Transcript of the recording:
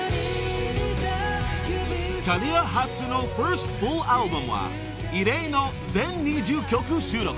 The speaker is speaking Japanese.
［キャリア初のファーストフルアルバムは異例の全２０曲収録］